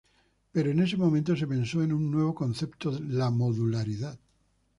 Pero en ese momento se pensó en un nuevo concepto: la modularidad.